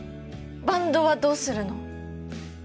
バンドはどうするの？